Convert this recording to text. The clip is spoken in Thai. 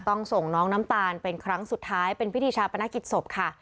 ส่งน้องน้ำตาลเป็นครั้งสุดท้ายเป็นพิธีชาปนกิจศพค่ะ